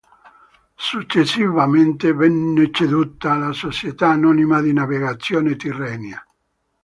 Successivamente venne ceduta alla Società Anonima di Navigazione Tirrenia.